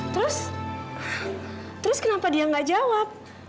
terus terus kenapa dia nggak jawab